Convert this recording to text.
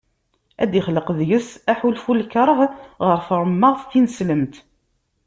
Ad d-ixleq deg-s aḥulfu n lkerh ɣer tremmeɣt tineslemt.